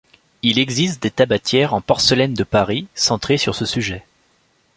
Il existe des tabatières en porcelaine de Paris centrées sur ce sujet.